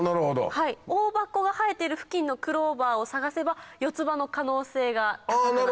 オオバコが生えている付近のクローバーを探せば四つ葉の可能性が高くなる。